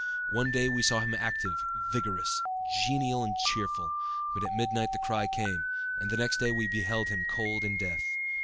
One day we saw him active, vigorous, genial and cheerful, but at midnight the cry came, and next day we beheld him cold in death.